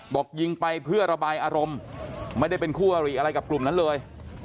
บอกยิงไปเพื่อระบายอารมณ์ไม่ได้เป็นคู่อริอะไรกับกลุ่มนั้นเลย